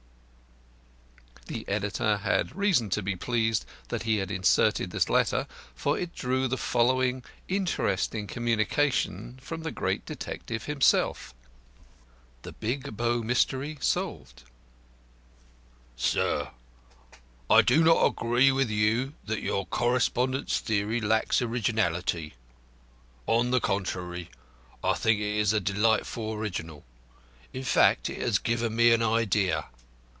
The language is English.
P.]" The editor had reason to be pleased that he inserted this letter, for it drew the following interesting communication from the great detective himself: "THE BIG BOW MYSTERY SOLVED "Sir, I do not agree with you that your correspondent's theory lacks originality. On the contrary, I think it is delightfully original. In fact it has given me an idea.